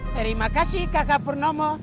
terima kasih kakak purnomo